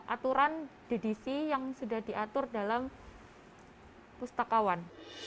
aturan ddc yang sudah diatur dalam pustakawan